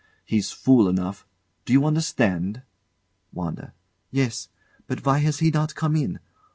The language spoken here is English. He's fool enough. D'you understand? WANDA. Yes. But why has he not come in?